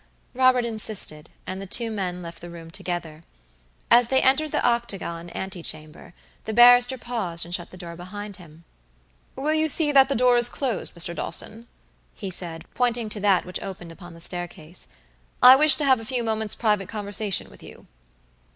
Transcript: Robert insisted, and the two men left the room together. As they entered the octagon ante chamber the barrister paused and shut the door behind him. "Will you see that the door is closed, Mr. Dawson?" he said, pointing to that which opened upon the staircase. "I wish to have a few moments' private conversation with you."